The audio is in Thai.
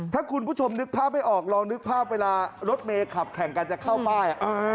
ถ้าคุณผู้ชมนึกภาพไม่ออกลองนึกภาพเวลารถเมย์ขับแข่งกันจะเข้าป้าย